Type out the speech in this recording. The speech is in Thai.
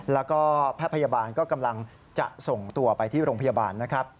แล้วก็แพทย์พยาบาลก็กำลังจะส่งตัวไปที่โรงพยาบาลนะครับ